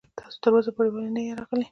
تاسو تر اوسه پورې ولې نه يې راغلی.